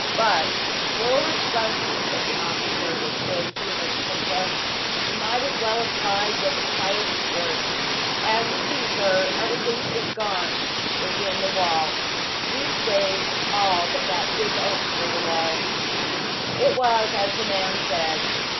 But, Lord bless you!" said the officer with good humored contempt, "you might as well have tried with a child's squirt. As you see, sir, everything is gone within the wall. Leastways, all but that big oak near the wall." It was as the man said.